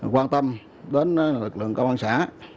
quan tâm đến lực lượng công an xã